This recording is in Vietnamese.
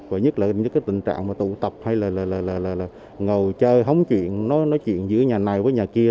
và nhất là tình trạng tụ tập hay là ngầu chơi hóng chuyện nói chuyện giữa nhà này với nhà kia